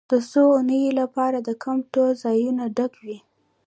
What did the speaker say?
د څو اونیو لپاره د کیمپ ټول ځایونه ډک وي